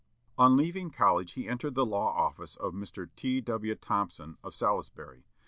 On leaving college he entered the law office of Mr. T. W. Thompson, of Salisbury.